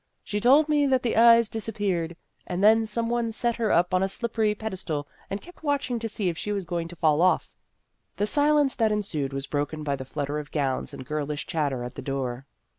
She told me that the eyes disappeared, and then some one set her up on a slippery pedestal and kept watching to see if she was going to fall off." The silence that ensued was broken by a flutter of gowns and girlish chatter at the door.